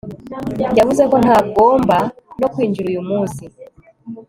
Yavuze ko ntagomba no kwinjira uyu munsi